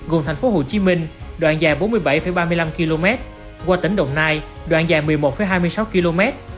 gồm tp hcm đoạn dài bốn mươi bảy ba mươi năm km qua tỉnh đồng nai đoạn dài một mươi một hai mươi sáu km